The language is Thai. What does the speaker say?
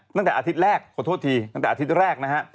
ตั้งแต่อาทิตย์แรกขอโทษทีตั้งแต่อาทิตย์แรกนะฮะ